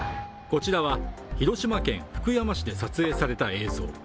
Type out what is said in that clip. こちらは、広島県福山市で撮影された映像。